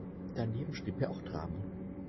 Daneben schrieb er auch Dramen.